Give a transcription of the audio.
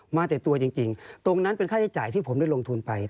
มาแต่ตัวจริงตรงนั้นเป็นค่าใช้จ่ายที่ผมได้ลงทุนไป